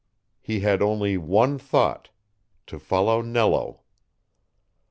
He had only one thought to follow Nello.